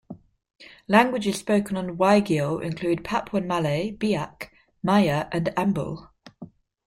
Languages spoken on Waigeo include Papuan Malay, Biak, Ma'ya, and Ambel.